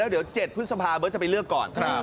เดี๋ยว๗พฤษภาเบิร์ตจะไปเลือกก่อน